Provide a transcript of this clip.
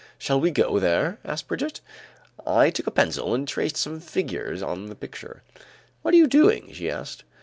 "Shall we go there?" I asked Brigitte. I took a pencil and traced some figures on the picture. "What are you doing?" she asked.